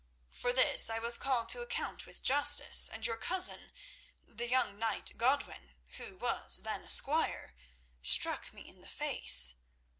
For this I was called to account with justice, and your cousin, the young knight Godwin, who was then a squire, struck me in the face.